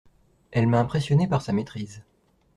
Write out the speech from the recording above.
Elle m'a impressionné par sa maîtrise.